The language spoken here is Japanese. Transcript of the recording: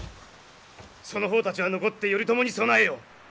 その方たちは残って頼朝に備えよ。